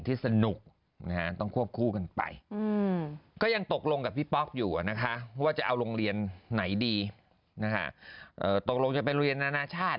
ตกลงจะเป็นโรงเรียนนานาชาติ